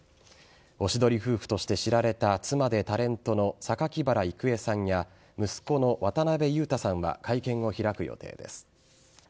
おしどり夫婦として知られた妻でタレントの榊原郁恵さんや息子の渡辺裕太さんは会見を開く予定です。